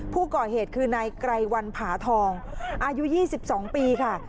พูดก่อเหตุคือในใกล่วันผาทองอายุ๒๒ปีค่ะ